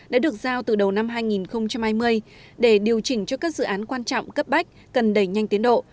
đã được giao từ đầu năm hai nghìn hai mươi để điều chỉnh cho các dự án quan trọng cấp bách cần đẩy nhanh tiến độ